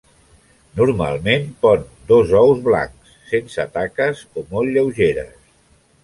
Normalment pon dos ous blancs, sense taques o molt lleugeres.